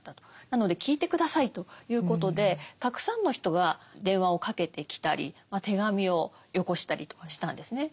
なので聞いて下さいということでたくさんの人が電話をかけてきたり手紙をよこしたりとかしたんですね。